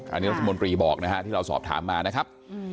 อันนี้รัฐมนตรีบอกนะฮะที่เราสอบถามมานะครับ